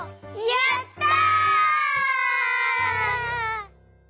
やった！